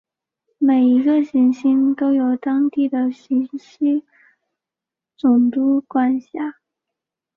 每一个行星都由当地的行星总督管辖。